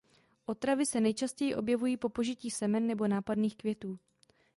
Otravy se nejčastěji objevují po požití semen nebo nápadných květů.